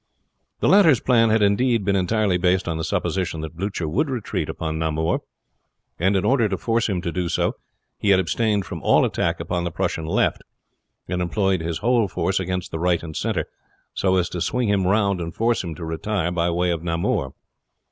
The latter's plans had indeed been entirely based on the supposition that Blucher would retreat upon Namur; and in order to force him to do so he had abstained from all attack upon the Prussian left, and employed his whole strength against the right and center, so as to swing him round, and force him to retire by way of Namur.